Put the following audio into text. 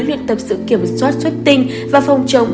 luyện tập sự kiểm soát xuất tinh và phòng chống